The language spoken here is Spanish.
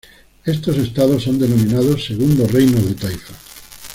Estos estados son denominados "segundos reinos de taifas".